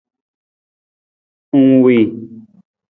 Ng wii.